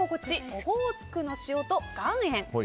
オホーツクの塩と岩塩。